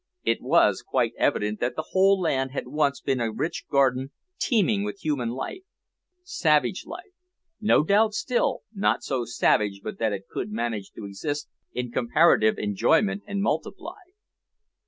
It was quite evident that the whole land had once been a rich garden teeming with human life savage life, no doubt still, not so savage but that it could manage to exist in comparative enjoyment and multiply.